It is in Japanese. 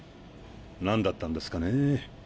なんだったんですかねぇ。